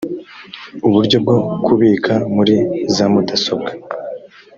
uburyo bwo kubika muri za mudasobwa